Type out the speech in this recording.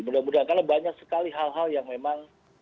mudah mudahan karena banyak sekali hal hal yang memang